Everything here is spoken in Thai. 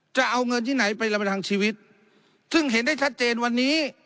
จะเอาเงินที่ไหนไปรับประทังชีวิตซึ่งเห็นได้ชัดเจนวันนี้